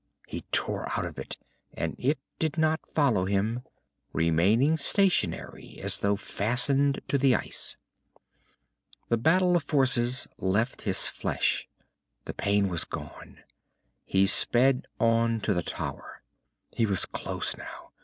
He tore out of it, and it did not follow him, remaining stationary as though fastened to the ice. The battle of forces left his flesh. The pain was gone. He sped on to the tower. He was close now.